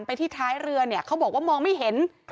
ไปที่ท้ายเรือเนี่ยเขาบอกว่ามองไม่เห็น